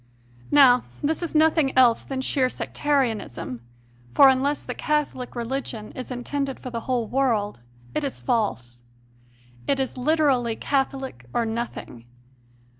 Now this is nothing else than sheer Sectarianism; for unless the Catholic Religion is intended for the whole world, it is false. It is literally Catholic, or nothing.